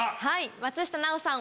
松下奈緒さん